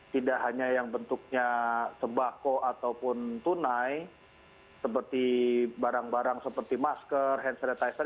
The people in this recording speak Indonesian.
tidak hanya yang bentuknya sembako ataupun tunai seperti barang barang seperti masker hand sanitizer